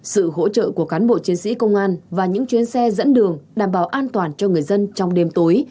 sự hỗ trợ của cán bộ chiến sĩ công an và những chuyến xe dẫn đường đảm bảo an toàn cho người dân trong đêm tối